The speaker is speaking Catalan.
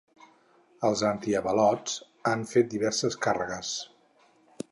Els antiavalots han fet diverses càrregues.